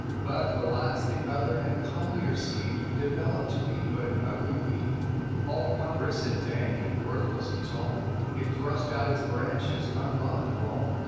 But, alas, the other and comlier seed Developed to be but an ugly weedj All cumbrous and dank and worthless and tall,. It thrust out its branches unloved of all.